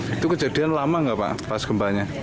itu kejadian lama nggak pak pas gempanya